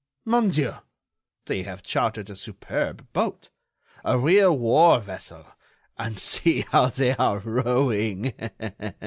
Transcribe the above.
"Mon Dieu! they have chartered a superb boat, a real war vessel, and see how they are rowing.